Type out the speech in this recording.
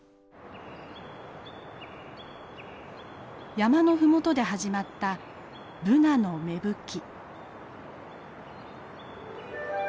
山の麓で始まったブナの芽吹き。